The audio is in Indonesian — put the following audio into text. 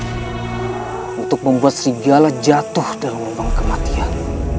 musang punya seribu muslihat untuk membuat serigala jatuh dalam lembang kematian